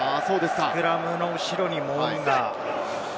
スクラムの後ろにモウンガ。